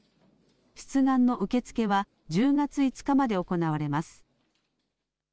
出願の受け付けは１０月５日まで行われます。